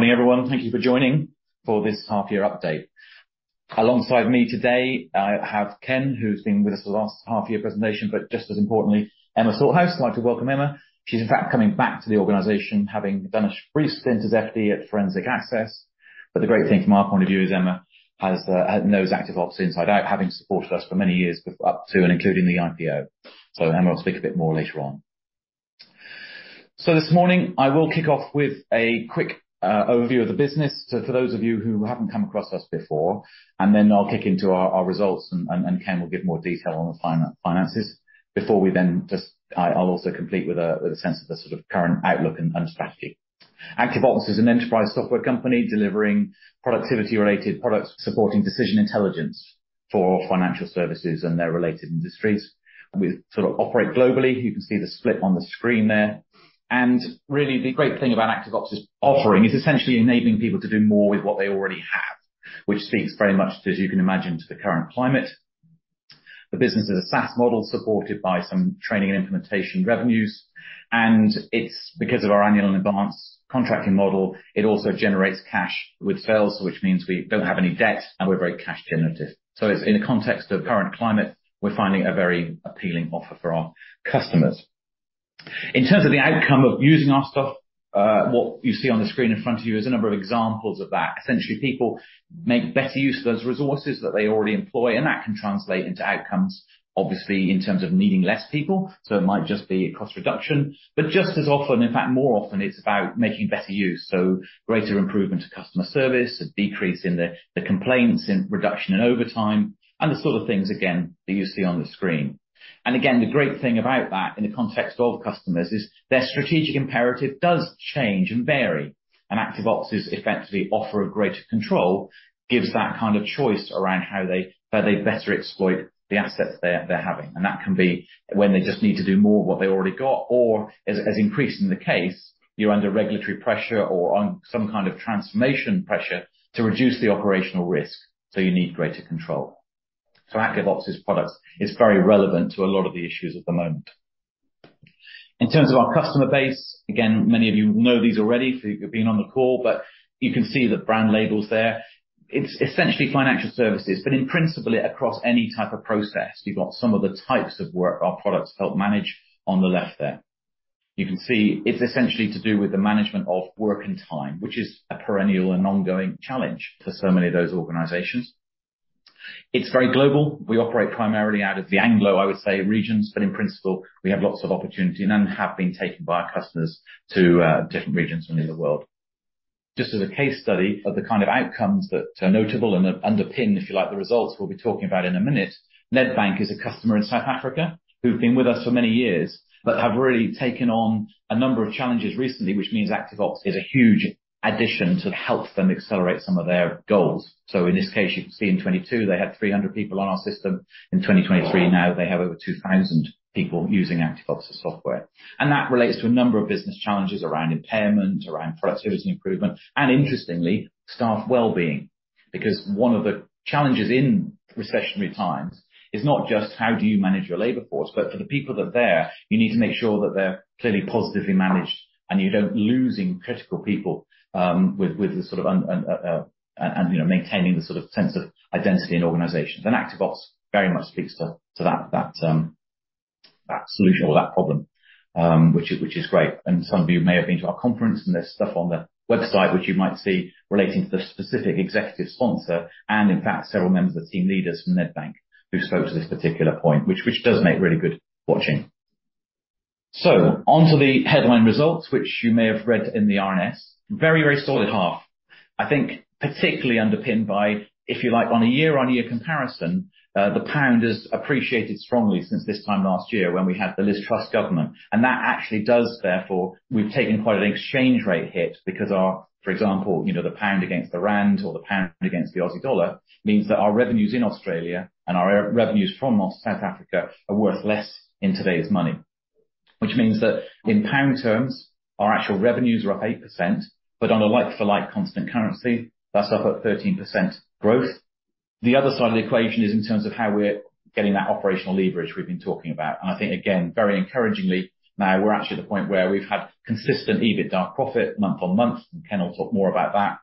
Morning, everyone. Thank you for joining for this half year update. Alongside me today, I have Ken, who's been with us for the last half year presentation, but just as importantly, Emma Salthouse. I'd like to welcome Emma. She's in fact, coming back to the organization, having done a brief stint as FD at Forensic Access, but the great thing from our point of view is Emma has knows ActiveOps inside out, having supported us for many years, up to and including the IPO. Emma will speak a bit more later on. This morning, I will kick off with a quick overview of the business. For those of you who haven't come across us before, and then I'll kick into our results, and Ken will give more detail on the finances, before we then just... I'll also complete with a, with a sense of the sort of current outlook and strategy. ActiveOps is an enterprise software company delivering productivity-related products, supporting decision intelligence for financial services and their related industries. We sort of operate globally. You can see the split on the screen there, and really the great thing about ActiveOps' offering is essentially enabling people to do more with what they already have, which speaks very much, as you can imagine, to the current climate. The business is a SaaS model, supported by some training and implementation revenues, and it's because of our annual in advance contracting model, it also generates cash with sales, which means we don't have any debt and we're very cash generative. It's in the context of current climate, we're finding a very appealing offer for our customers. In terms of the outcome of using our stuff, what you see on the screen in front of you is a number of examples of that. Essentially, people make better use of those resources that they already employ, and that can translate into outcomes, obviously, in terms of needing less people, so it might just be a cost reduction, but just as often, in fact, more often, it's about making better use, so greater improvement to customer service, a decrease in the complaints, in reduction in overtime, and the sort of things, again, that you see on the screen. Again, the great thing about that in the context of customers is their strategic imperative does change and vary, ActiveOps effectively offer a greater control, gives that kind of choice around how they better exploit the assets they're having. That can be when they just need to do more with what they already got, or as increased in the case, you're under regulatory pressure or on some kind of transformation pressure to reduce the operational risk, so you need greater control. ActiveOps' products is very relevant to a lot of the issues at the moment. In terms of our customer base, again, many of you will know these already if you've been on the call, but you can see the brand labels there. It's essentially financial services, but in principle, it across any type of process. You've got some of the types of work our products help manage on the left there. You can see it's essentially to do with the management of work and time, which is a perennial and ongoing challenge to so many of those organizations. It's very global. We operate primarily out of the Anglo, I would say, regions. In principle, we have lots of opportunity and have been taken by our customers to different regions within the world. Just as a case study of the kind of outcomes that are notable and underpin, if you like, the results we'll be talking about in a minute. Nedbank is a customer in South Africa, who've been with us for many years, have really taken on a number of challenges recently, which means ActiveOps is a huge addition to help them accelerate some of their goals. In this case, you can see in 2022, they had 300 people on our system. In 2023, now they have over 2,000 people using ActiveOps' software. That relates to a number of business challenges around impairment, around productivity improvement, and interestingly, staff well-being. Because one of the challenges in recessionary times is not just how do you manage your labor force, but for the people that are there, you need to make sure that they're clearly positively managed, and you don't losing critical people, with the sort of, and, you know, maintaining the sort of sense of identity in organizations. ActiveOps very much speaks to that solution or that problem, which is great. Some of you may have been to our conference, and there's stuff on the website which you might see relating to the specific executive sponsor and in fact, several members of the team leaders from Nedbank, who spoke to this particular point, which does make really good watching. Onto the headline results, which you may have read in the RNS. Very solid half. I think, particularly underpinned by, if you like, on a year-on-year comparison, the pound has appreciated strongly since this time last year when we had the Liz Truss government. That actually does therefore, we've taken quite an exchange rate hit because our, for example, you know, the pound against the rand or the pound against the Aussie dollar, means that our revenues in Australia and our revenues from South Africa are worth less in today's money. Which means that in pound terms, our actual revenues are up 8%, but on a like-for-like constant currency, that's up at 13% growth. The other side of the equation is in terms of how we're getting that operational leverage we've been talking about, and I think again, very encouragingly, now we're actually at the point where we've had consistent EBITDA profit month-on-month, and Ken will talk more about that,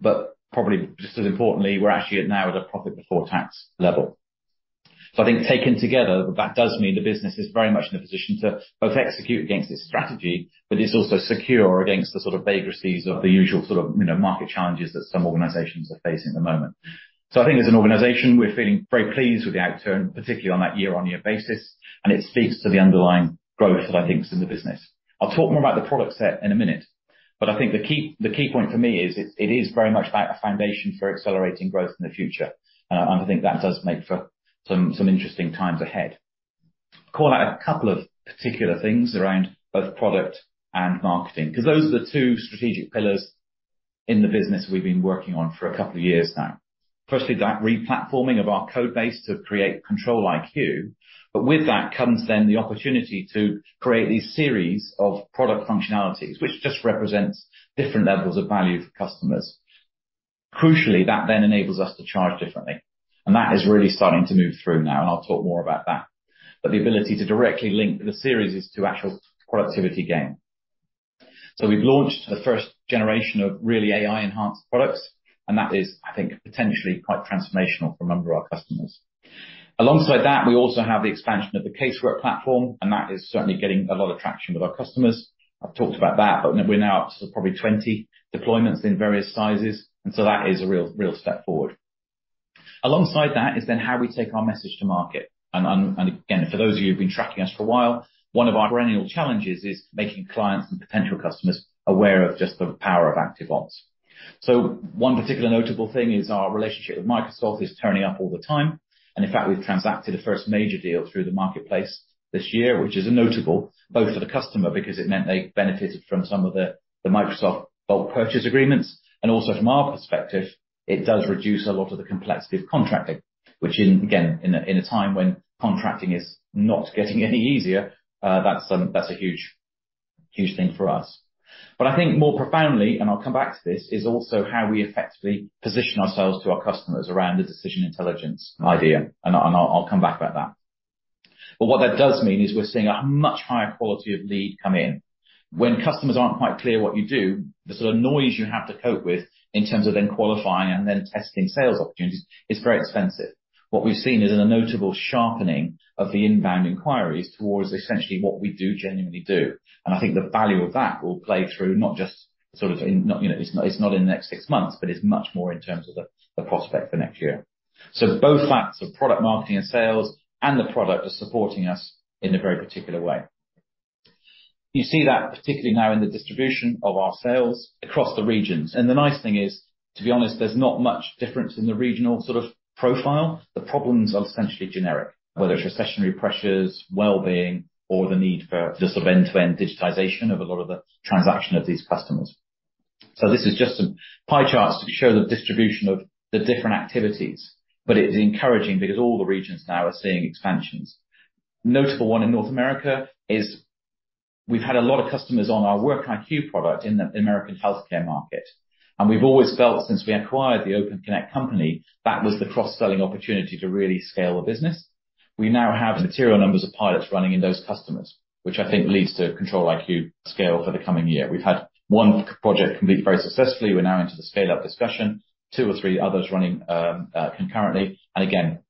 but probably just as importantly, we're actually now at a profit before tax level. I think taken together, that does mean the business is very much in a position to both execute against its strategy, but is also secure against the sort of vagaries of the usual sort of, you know, market challenges that some organizations are facing at the moment. I think as an organization, we're feeling very pleased with the outturn, particularly on that year-on-year basis, and it speaks to the underlying growth that I think is in the business. I'll talk more about the product set in a minute, but I think the key point for me is it is very much about a foundation for accelerating growth in the future. I think that does make for some interesting times ahead. Call out 2 particular things around both product and marketing, because those are the 2 strategic pillars in the business we've been working on for a couple of years now. Firstly, that replatforming of our code base to create ControliQ, but with that comes then the opportunity to create these series of product functionalities, which just represents different levels of value for customers. Crucially, that then enables us to charge differently, and that is really starting to move through now, and I'll talk more about that. The ability to directly link the series is to actual productivity gain. We've launched the first generation of really AI-enhanced products, and that is, I think, potentially quite transformational for a number of our customers. Alongside that, we also have the expansion of the Casework platform, and that is certainly getting a lot of traction with our customers. I've talked about that, but we're now up to probably 20 deployments in various sizes, and so that is a real step forward. Alongside that is then how we take our message to market. Again, for those of you who've been tracking us for a while, one of our perennial challenges is making clients and potential customers aware of just the power of ActiveOps. One particular notable thing is our relationship with Microsoft is turning up all the time, and in fact, we've transacted a first major deal through the marketplace this year, which is notable both for the customer, because it meant they benefited from some of the Microsoft bulk purchase agreements, and also from our perspective, it does reduce a lot of the complexity of contracting, which in, again, in a, in a time when contracting is not getting any easier, that's a huge thing for us. I think more profoundly, and I'll come back to this, is also how we effectively position ourselves to our customers around the decision intelligence idea, and I'll come back about that. What that does mean is we're seeing a much higher quality of lead come in. When customers aren't quite clear what you do, the sort of noise you have to cope with in terms of then qualifying and then testing sales opportunities is very expensive. What we've seen is a notable sharpening of the inbound inquiries towards essentially what we do, genuinely do. I think the value of that will play through not just sort of in, not. You know, it's not in the next six months, but it's much more in terms of the prospect for next year. Both sides of product marketing and sales and the product are supporting us in a very particular way. You see that, particularly now in the distribution of our sales across the regions. The nice thing is, to be honest, there's not much difference in the regional sort of profile. The problems are essentially generic, whether it's recessionary pressures, wellbeing, or the need for just sort of end-to-end digitization of a lot of the transaction of these customers. This is just some pie charts to show the distribution of the different activities, but it is encouraging because all the regions now are seeing expansions. Notable one in North America is we've had a lot of customers on our WorkiQ product in the American healthcare market, and we've always felt since we acquired the OpenConnect company, that was the cross-selling opportunity to really scale the business. We now have material numbers of pilots running in those customers, which I think leads to ControliQ scale for the coming year. We've had one project complete very successfully. We're now into the scale-up discussion, two or three others running concurrently,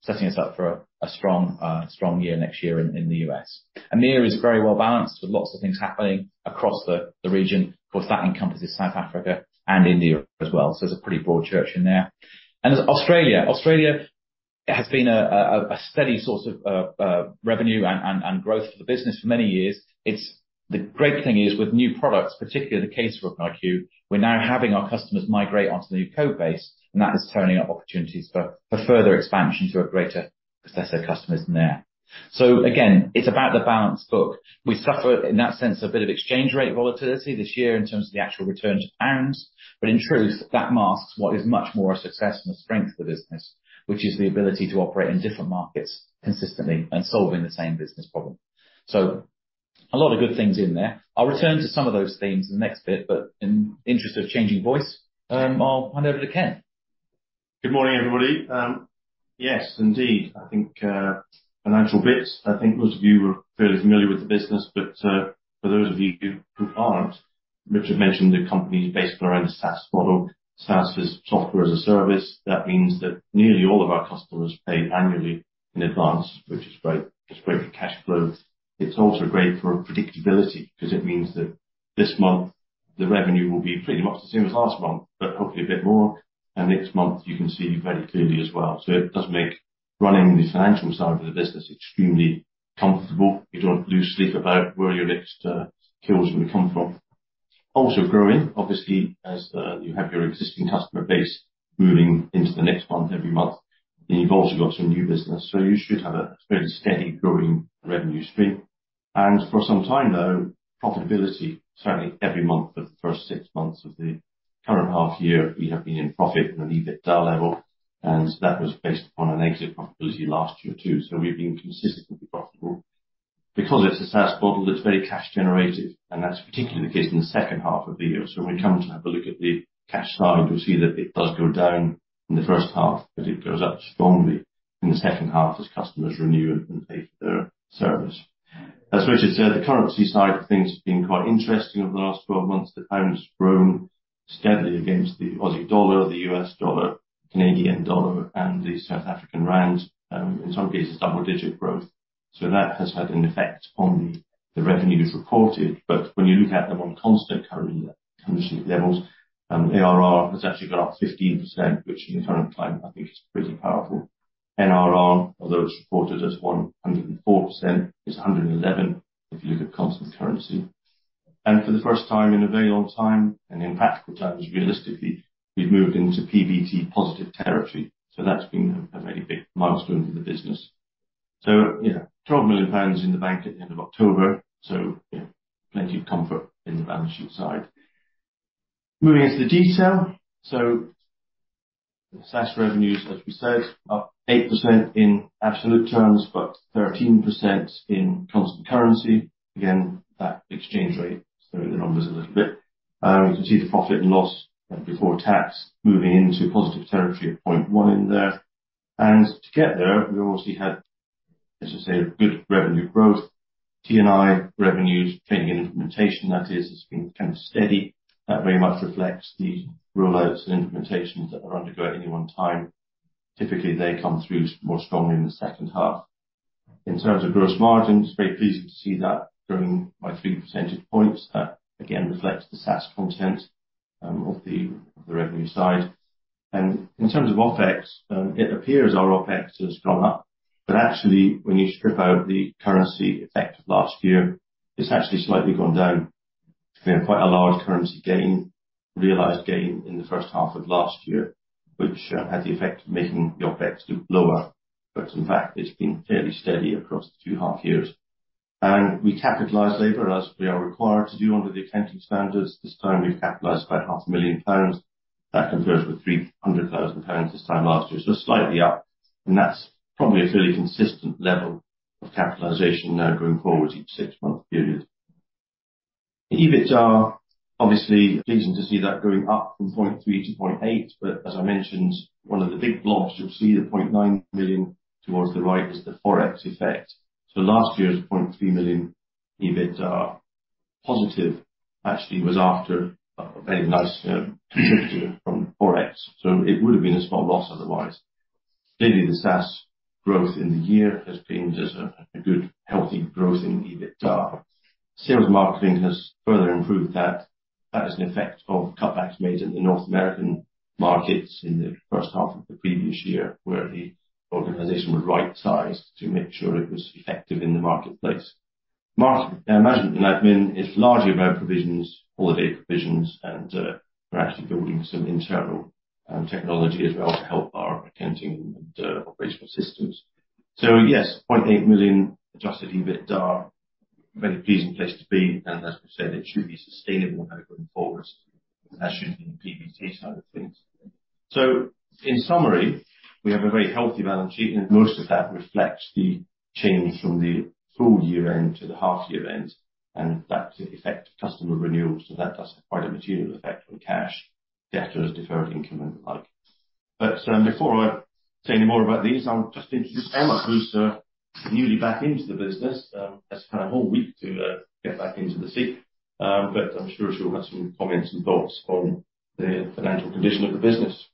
setting us up for a strong year next year in the U.S. EMEA is very well balanced with lots of things happening across the region. That encompasses South Africa and India as well, there's a pretty broad church in there. Australia. Australia has been a steady source of revenue and growth for the business for many years. The great thing is, with new products, particularly the CaseworkiQ, we're now having our customers migrate onto the new code base, that is turning up opportunities for a further expansion to a greater set of customers in there. Again, it's about the balance book. We suffer, in that sense, a bit of exchange rate volatility this year in terms of the actual return to pounds. In truth, that masks what is much more a success and a strength to the business, which is the ability to operate in different markets consistently and solving the same business problem. A lot of good things in there. I'll return to some of those themes in the next bit. In interest of changing voice, I'll hand over to Ken. Good morning, everybody. Yes, indeed. I think, financial bits, I think most of you are fairly familiar with the business, but for those of you who aren't, Richard mentioned the company is based on our own SaaS model, Software as a Service. That means that nearly all of our customers pay annually in advance, which is great, it's great for cash flow. It's also great for predictability because it means that this month, the revenue will be pretty much the same as last month, but hopefully a bit more, and next month you can see very clearly as well. It does make running the financial side of the business extremely comfortable. You don't lose sleep about where your next kills will come from. Growing, obviously, as you have your existing customer base moving into the next month, every month, you've also got some new business, you should have a very steady growing revenue stream. For some time, though, profitability, certainly every month for the first 6 months of the current H1, we have been in profit on an EBITDA level, and that was based upon an exit profitability last year, too. We've been consistently profitable. Because it's a SaaS model, it's very cash generative, and that's particularly the case in the H2 of the year. When we come to have a look at the cash side, you'll see that it does go down in the H1, but it goes up strongly in the H2 as customers renew and pay for their service. As Richard said, the currency side of things has been quite interesting over the last 12 months. The pound has grown steadily against the Aussie dollar, the US dollar, Canadian dollar, and the South African rand, in some cases, double-digit growth. That has had an effect on the revenues reported, but when you look at them on constant currency levels, ARR has actually gone up 15%, which in the current climate, I think is pretty powerful. NRR, although it's reported as 104%, is 111 if you look at constant currency. For the first time in a very long time, and in practical terms, realistically, we've moved into PBT positive territory, that's been a very big milestone for the business. 12 million pounds in the bank at the end of October, so, yeah plenty of comfort in the financial side. Moving into the detail, the SaaS revenues, as we said, up 8% in absolute terms, but 13% in constant currency. You can see the profit and loss before tax moving into positive territory at 0.1 in there. To get there, we obviously had, as I say, good revenue growth, TNI revenues, training and implementation, that is, has been kind of steady. That very much reflects the rollouts and implementations that are undergoing any one time. Typically, they come through more strongly in the second half. In terms of gross margins, very pleased to see that growing by 3 percentage points. That, again, reflects the SaaS content of the revenue side. In terms of OpEx, it appears our OpEx has gone up, but actually when you strip out the currency effect of last year, it's actually slightly gone down. We had quite a large currency gain, realized gain in the first half of last year, which had the effect of making the OpEx look lower. In fact, it's been fairly steady across the two half years. We capitalize labor as we are required to do under the accounting standards. This time, we've capitalized about half a million GBP. That compares with 300,000 pounds this time last year. Slightly up, and that's probably a fairly consistent level of capitalization now going forward each six-month period. The EBITDA, obviously, pleasing to see that going up from 0.3 - 0.8. As I mentioned, one of the big blocks, you'll see the 0.9 million towards the right, is the Forex effect. Last year's 0.3 million EBITDA positive actually was after a very nice contribution from Forex, so it would have been a small loss otherwise. The SaaS growth in the year has been just a good, healthy growth in EBITDA. Sales marketing has further improved that. That is an effect of cutbacks made in the North American markets in the first half of the previous year, where the organization was right sized to make sure it was effective in the marketplace. Management and admin, it's largely around provisions, holiday provisions, and we're actually building some internal technology as well to help our accounting and operational systems. Yes, 0.8 million adjusted EBITDA, very pleasing place to be, and as we said, it should be sustainable now going forward, and that should be in the PBT side of things. In summary, we have a very healthy balance sheet, and most of that reflects the change from the full year end to the half year end, and that's the effect of customer renewals, so that does have quite a material effect on cash, debtors, deferred income, and the like. Before I say any more about these, I'll just introduce Emma, who's newly back into the business. Has had a whole week to get back into the seat. I'm sure she'll have some comments and thoughts on the financial condition of the business.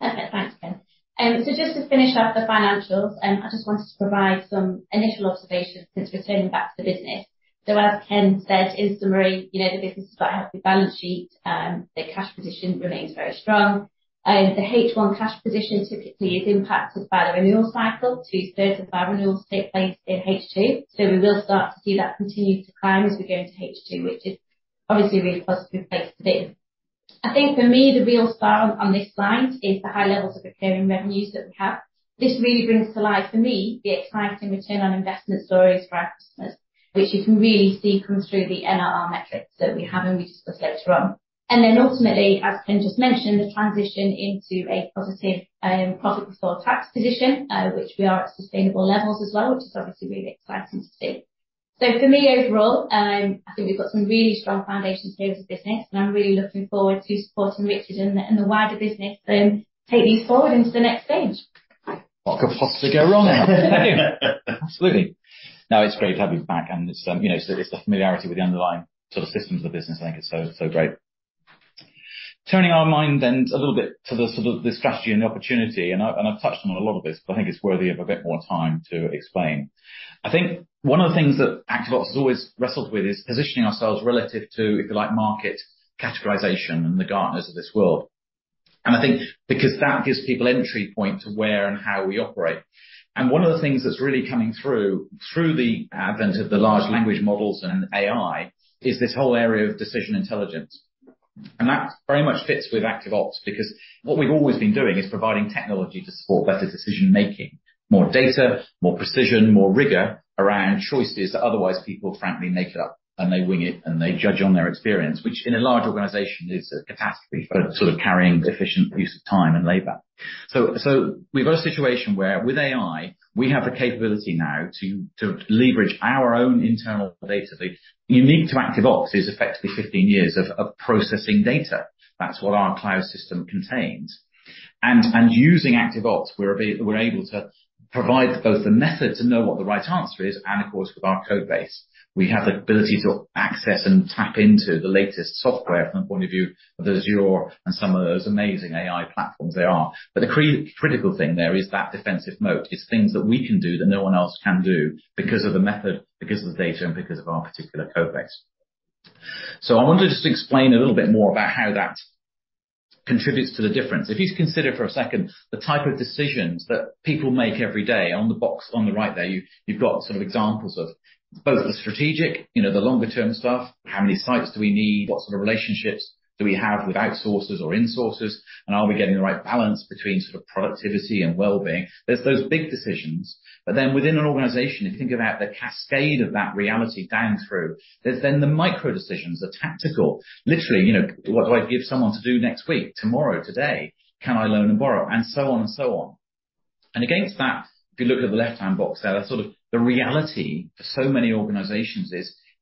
Perfect. Thanks, Ken. Just to finish up the financials, I just wanted to provide some initial observations since returning back to the business. As Ken said, in summary, you know, the business has got a healthy balance sheet. The cash position remains very strong. The H1 cash position typically is impacted by the renewal cycle. Two-thirds of our renewals take place in H2. We will start to see that continue to climb as we go into H2, which is obviously a really positive place to be. I think for me, the real star on this slide is the high levels of recurring revenues that we have. This really brings to life, for me, the exciting return on investment stories for our customers, which you can really see come through the NLR metrics that we have, and we discuss later on. Ultimately, as Ken just mentioned, the transition into a positive profit before tax position, which we are at sustainable levels as well, which is obviously really exciting to see. For me, overall, I think we've got some really strong foundations here as a business, and I'm really looking forward to supporting Richard and the wider business take these forward into the next stage. What could possibly go wrong then? Absolutely. No, it's great to have you back, and it's, you know, so it's the familiarity with the underlying sort of systems of the business make it so great. Turning our mind then a little bit to the sort of the strategy and the opportunity, and I've touched on a lot of this, but I think it's worthy of a bit more time to explain. I think one of the things that ActiveOps has always wrestled with is positioning ourselves relative to, if you like, market categorization and the Gartners of this world. I think because that gives people entry point to where and how we operate. One of the things that's really coming through the advent of the large language models and AI, is this whole area of decision intelligence. That very much fits with ActiveOps, because what we've always been doing is providing technology to support better decision-making. More data, more precision, more rigor around choices that otherwise people frankly make it up, and they wing it, and they judge on their experience, which in a large organization is a catastrophe for sort of carrying efficient use of time and labor. We've got a situation where, with AI, we have the capability now to leverage our own internal data. The unique to ActiveOps is effectively 15 years of processing data. That's what our cloud system contains. Using ActiveOps, we're able to provide both the method to know what the right answer is, and of course, with our code base, we have the ability to access and tap into the latest software from the point of view of Azure and some of those amazing AI platforms there are. The critical thing there is that defensive moat. It's things that we can do that no one else can do because of the method, because of the data, and because of our particular code base. I wanted to just explain a little bit more about how that contributes to the difference. If you just consider for a second the type of decisions that people make every day. On the box on the right there, you've got sort of examples of both the strategic, you know, the longer term stuff, how many sites do we need? What sort of relationships do we have with outsourcers or insourcers? Are we getting the right balance between sort of productivity and well-being? There's those big decisions, but then within an organization, if you think about the cascade of that reality down through, there's then the micro decisions, the tactical. Literally, you know, what do I give someone to do next week, tomorrow, today? Can I loan and borrow? So on and so on. Against that, if you look at the left-hand box there, that's sort of the reality for so many organizations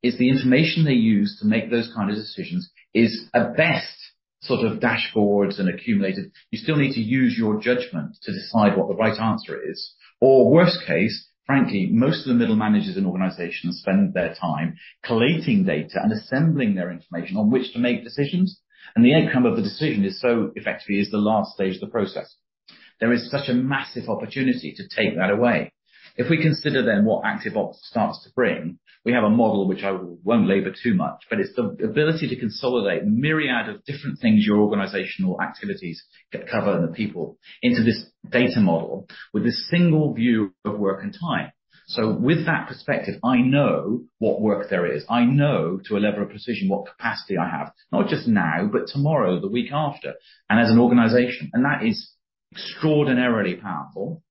is the information they use to make those kind of decisions is, at best, sort of dashboards and accumulated. You still need to use your judgment to decide what the right answer is. Worst case, frankly, most of the middle managers in organizations spend their time collating data and assembling their information on which to make decisions, and the outcome of the decision is so effectively is the last stage of the process. There is such a massive opportunity to take that away. If we consider what ActiveOps starts to bring, we have a model which I won't labor too much, but it's the ability to consolidate myriad of different things your organizational activities get covered, and the people, into this data model with a single view of work and time. With that perspective, I know what work there is. I know to a level of precision, what capacity I have, not just now, but tomorrow, the week after, and as an organization. That is extraordinarily powerful.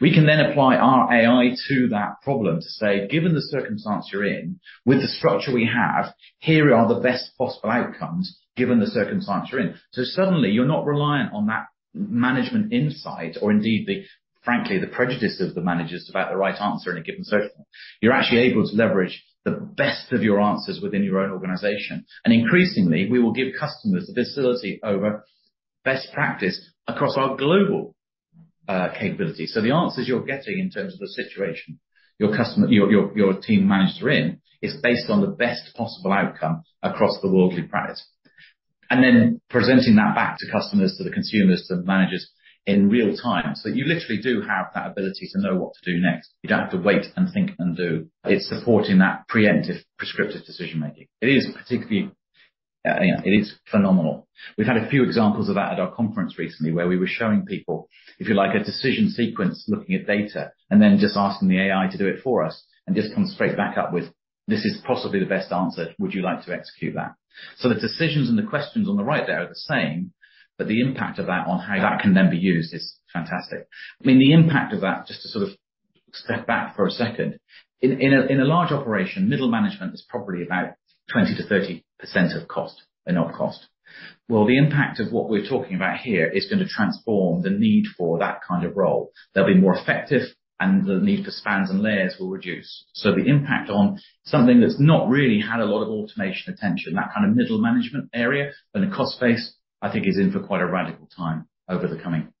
We can apply our AI to that problem to say, given the circumstance you're in with the structure we have, here are the best possible outcomes, given the circumstance you're in. Suddenly you're not reliant on that management insight or indeed, frankly, the prejudice of the managers about the right answer in a given situation. You're actually able to leverage the best of your answers within your own organization. Increasingly, we will give customers the facility over best practice across our global capability. The answers you're getting in terms of the situation, your customer, your team manager in, is based on the best possible outcome across the worldly practice, and then presenting that back to customers, to the consumers, to the managers in real time. You literally do have that ability to know what to do next. You don't have to wait and think and do. It's supporting that preemptive, prescriptive decision making. It is particularly, it is phenomenal. We've had a few examples of that at our conference recently, where we were showing people, if you like, a decision sequence, looking at data and then just asking the AI to do it for us and just come straight back up with, "This is possibly the best answer. Would you like to execute that?" The decisions and the questions on the right there are the same, but the impact of that on how that can then be used is fantastic. I mean, the impact of that, just to sort of step back for a second, in a large operation, middle management is probably about 20%-30% of cost and OpEx. The impact of what we're talking about here is going to transform the need for that kind of role. They'll be more effective, and the need for spans and layers will reduce. The impact on something that's not really had a lot of automation attention, that kind of middle management area, but the cost base, I think, is in for quite a radical time over the coming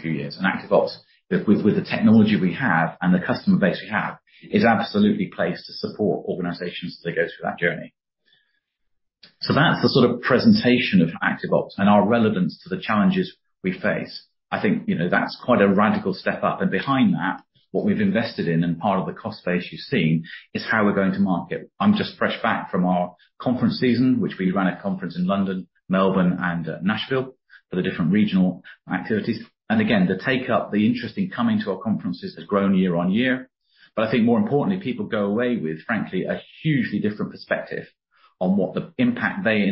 few years. ActiveOps, with the technology we have and the customer base we have, is absolutely placed to support organizations as they go through that journey. That's the sort of presentation of ActiveOps and our relevance to the challenges we face. I think, you know, that's quite a radical step up, and behind that, what we've invested in, and part of the cost base you've seen, is how we're going to market. I'm just fresh back from our conference season, which we ran a conference in London, Melbourne, and Nashville for the different regional activities. Again, the take up, the interest in coming to our conferences has grown year on year. I think more importantly, people go away with, frankly, a hugely different perspective on what the impact they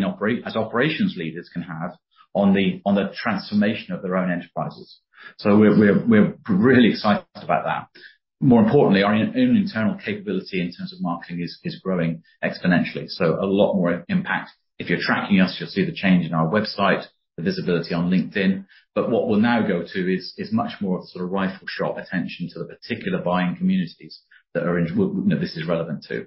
as operations leaders can have on the transformation of their own enterprises. We're really excited about that. More importantly, our own internal capability in terms of marketing is growing exponentially, a lot more impact. If you're tracking us, you'll see the change in our website, the visibility on LinkedIn, what we'll now go to is much more sort of rifle shot attention to the particular buying communities that this is relevant to.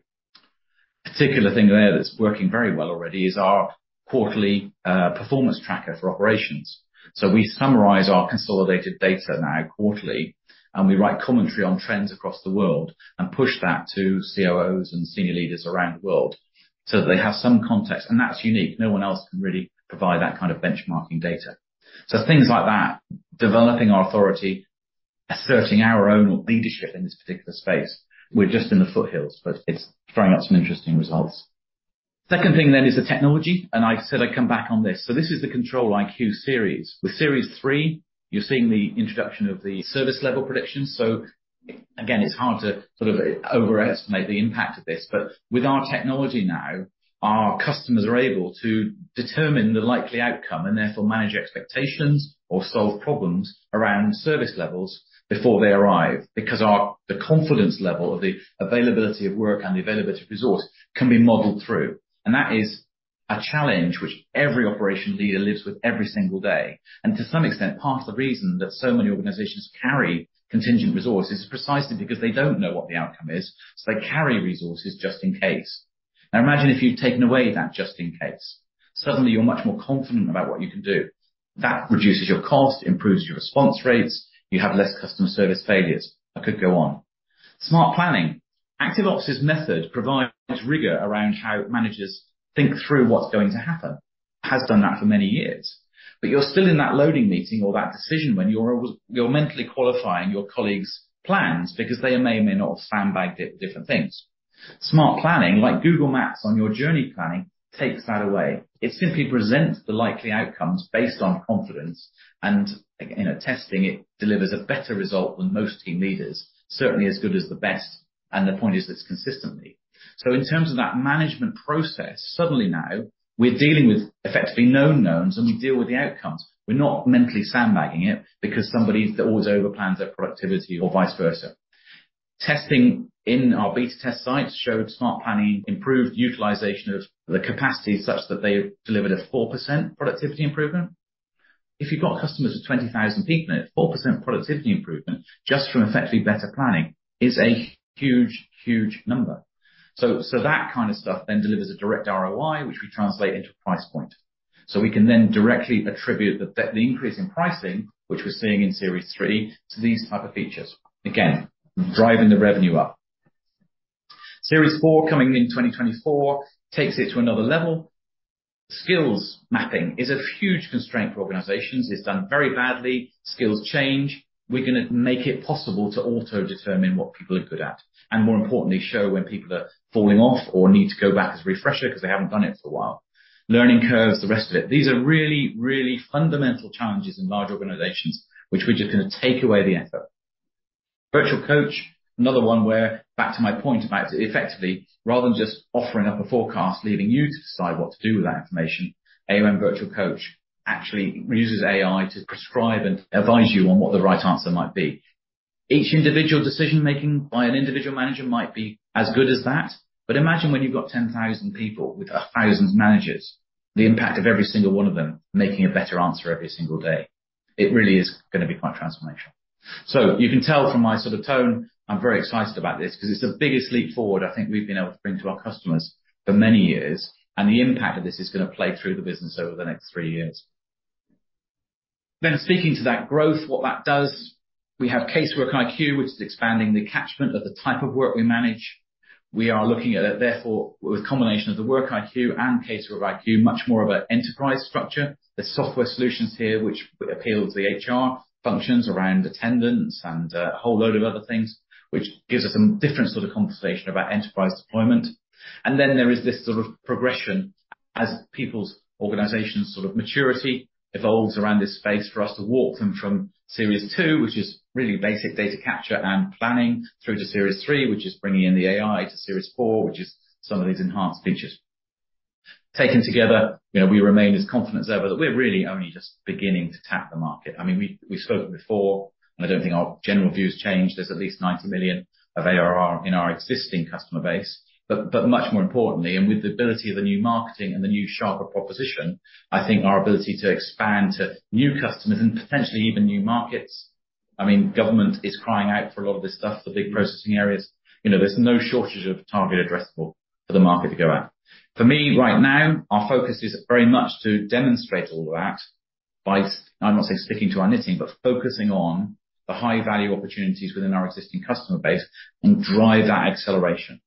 Particular thing there that's working very well already is our quarterly performance tracker for operations. We summarize our consolidated data now quarterly, and we write commentary on trends across the world and push that to COOs and senior leaders around the world so that they have some context. That's unique. No one else can really provide that kind of benchmarking data. Things like that, developing our authority, asserting our own leadership in this particular space. We're just in the foothills, but it's throwing out some interesting results. Second thing is the technology. I said I'd come back on this. This is the ControliQ Series. With Series 3, you're seeing the introduction of the service level predictions. Again, it's hard to sort of overestimate the impact of this, but with our technology now, our customers are able to determine the likely outcome and therefore manage expectations or solve problems around service levels before they arrive, because the confidence level of the availability of work and the availability of resource can be modeled through. That is a challenge which every operation leader lives with every single day. To some extent, part of the reason that so many organizations carry contingent resource is precisely because they don't know what the outcome is, so they carry resources just in case. Imagine if you've taken away that just in case. Suddenly, you're much more confident about what you can do. That reduces your cost, improves your response rates, you have less customer service failures. I could go on. Smart Planning. ActiveOps' method provides rigor around how managers think through what's going to happen. Has done that for many years, you're still in that loading meeting or that decision when you're mentally qualifying your colleague's plans because they may or may not have sandbagged it with different things. Smart Planning, like Google Maps on your journey planning, takes that away. It simply presents the likely outcomes based on confidence and, you know, testing it delivers a better result than most team leaders, certainly as good as the best, and the point is, it's consistently. In terms of that management process, suddenly now we're dealing with effectively known knowns, and we deal with the outcomes. We're not mentally sandbagging it because somebody always overplans their productivity or vice versa. Testing in our beta test sites showed smart planning, improved utilization of the capacity, such that they delivered a 4% productivity improvement. If you've got customers with 20,000 people in it, 4% productivity improvement just from effectively better planning is a huge, huge number. That kind of stuff then delivers a direct ROI, which we translate into price point. We can then directly attribute the increase in pricing, which we're seeing in Series 3, to these type of features. Again, driving the revenue up. Series 4, coming in 2024, takes it to another level. skills mapping is a huge constraint for organizations. It's done very badly. Skills change. We're gonna make it possible to auto determine what people are good at, and more importantly, show when people are falling off or need to go back as refresher because they haven't done it for a while. Learning curves, the rest of it. These are really, really fundamental challenges in large organizations, which we're just gonna take away the effort. virtual coach, another one where, back to my point about effectively, rather than just offering up a forecast, leaving you to decide what to do with that information, AUM virtual coach actually uses AI to prescribe and advise you on what the right answer might be. Each individual decision-making by an individual manager might be as good as that, but imagine when you've got 10,000 people with 1,000 managers, the impact of every single one of them making a better answer every single day. It really is gonna be quite transformational. You can tell from my sort of tone, I'm very excited about this because it's the biggest leap forward I think we've been able to bring to our customers for many years, and the impact of this is gonna play through the business over the next three years. Speaking to that growth, what that does, we have CaseworkiQ, which is expanding the catchment of the type of work we manage. We are looking at it, therefore, with a combination of the WorkiQ and CaseworkiQ, much more of an enterprise structure. There's software solutions here, which appeal to the HR functions around attendance and a whole load of other things, which gives us some different sort of conversation about enterprise deployment. There is this sort of progression as people's organization's sort of maturity evolves around this space for us to walk them from Series Two, which is really basic data capture and planning, through to Series Three, which is bringing in the AI, to Series Four, which is some of these enhanced features. Taken together, you know, we remain as confident as ever that we're really only just beginning to tap the market. I mean, we've spoken before, I don't think our general view has changed. There's at least 90 million of ARR in our existing customer base, but much more importantly, with the ability of the new marketing and the new sharper proposition, I think our ability to expand to new customers and potentially even new markets... I mean, government is crying out for a lot of this stuff, the big processing areas. You know, there's no shortage of target addressable for the market to go at. For me, right now, our focus is very much to demonstrate all of that by, I'm not saying speaking to our knitting, but focusing on the high value opportunities within our existing customer base and drive that acceleration.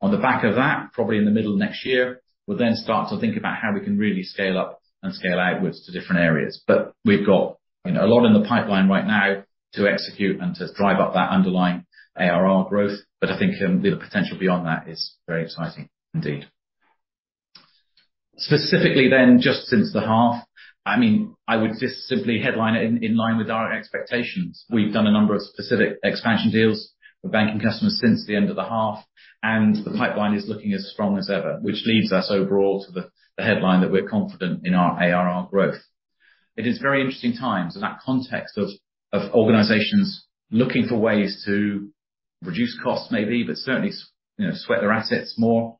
On the back of that, probably in the middle of next year, we'll then start to think about how we can really scale up and scale outwards to different areas. We've got, you know, a lot in the pipeline right now to execute and to drive up that underlying ARR growth, but I think the potential beyond that is very exciting indeed. Specifically, just since the half, I mean, I would just simply headline it in line with our expectations. We've done a number of specific expansion deals with banking customers since the end of the half, and the pipeline is looking as strong as ever, which leads us overall to the headline that we're confident in our ARR growth. It is very interesting times in that context of organizations looking for ways to reduce costs, maybe, but certainly, you know, sweat their assets more.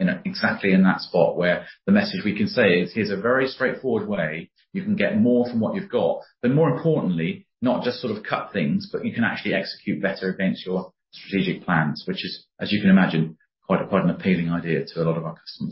I think ActiveOps proposition is exactly in that spot where the message we can say is: Here's a very straightforward way you can get more from what you've got, but more importantly, not just sort of cut things, but you can actually execute better against your strategic plans, which is, as you can imagine, quite an appealing idea to a lot of our customers.